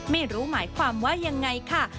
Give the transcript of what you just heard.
ไม่รู้หมายความว่ายังไงค่ะ